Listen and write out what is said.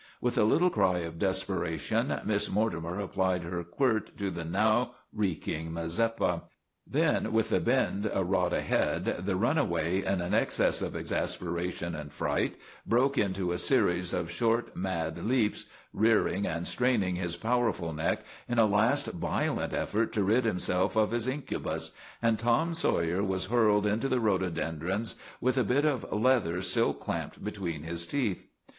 With a little cry of desperation Miss Mortimer applied her quirt to the now reeking Mazeppa. Then, with the bend a rod ahead, the runaway, in an access of exasperation and fright, broke into a series of short, mad leaps, rearing and straining his powerful neck in a last violent effort to rid himself of his incubus, and Tom Sawyer was hurled into the 282 TOM SAWYER OF THE MOVIES rhododendrons with a bit of leather still clamped be tween his teeth.